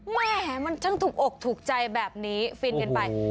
แหมมันช่างถูกอกถูกใจแบบนี้ฟินกันไป